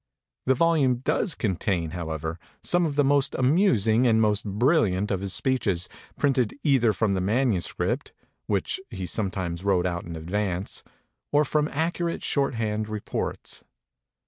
The volume does contain, however, some of the most amusing and most brilliant of his speeches, printed either from the manuscript which he sometimes wrote out in advance, or from accurate short hand re ports.